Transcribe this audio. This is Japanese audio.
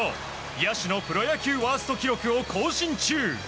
野手のプロ野球ワースト記録を更新中。